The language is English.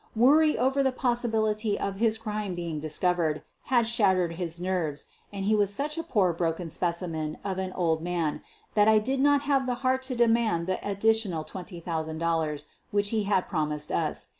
Worry over the possibility of his crime being discovered had shattered his nerves and he was such a poor broken specimen of an old man that I did not have the heart fb demand the additional $20,000 which he had promised us.